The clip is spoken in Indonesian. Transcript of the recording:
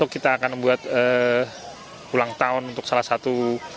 kita akan membuat ulang tahun untuk salah satu